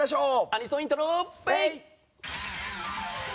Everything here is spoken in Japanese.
アニソンイントロ“ペイ”！！